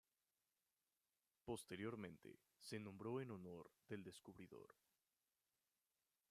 Posteriormente se nombró en honor del descubridor.